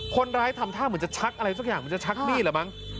คนร้ายทำท่าเหมือนจะชักอะไรสักอย่างเหมือนจะชักมีดเหรอมั้ง